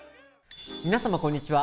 皆様こんにちは。